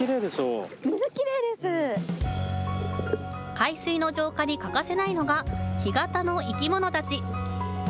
海水の浄化に欠かせないのが干潟の生き物たち。